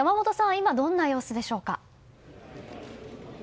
今、どんな様子でしょうか。